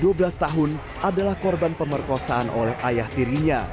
diduga ns anak yang berusia dua belas tahun adalah korban pemerkosaan oleh ayah tirinya